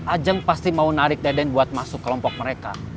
ajang pasti mau narik deden buat masuk kelompok mereka